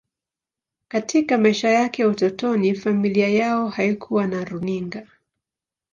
Katika maisha yake ya utotoni, familia yao haikuwa na runinga.